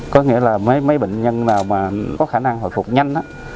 có nghĩa là mấy mấy bệnh nhân nào mà có khả năng hồi phục nhanh á